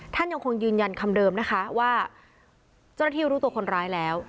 ท่านยังคงยืนยันคำเดิมนะคะว่าเจ้าหน้าที่รู้ตัวคนร้ายแล้ว